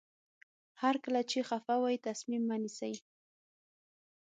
هر کله چې خفه وئ تصمیم مه نیسئ.